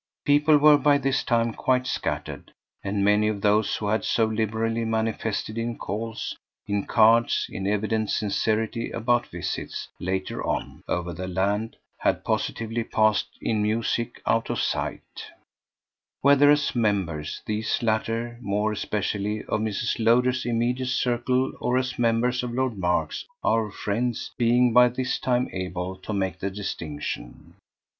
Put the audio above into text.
People were by this time quite scattered, and many of those who had so liberally manifested in calls, in cards, in evident sincerity about visits, later on, over the land, had positively passed in music out of sight; whether as members, these latter, more especially, of Mrs. Lowder's immediate circle or as members of Lord Mark's our friends being by this time able to make the distinction.